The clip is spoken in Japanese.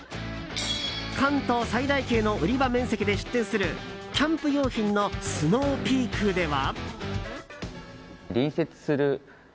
関東最大級の売り場面積で出店するキャンプ用品のスノーピークでは。